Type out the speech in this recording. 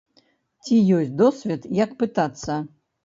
Ці ёсць досвед, як пытацца?